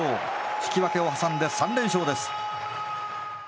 引き分けを挟んで３連勝です。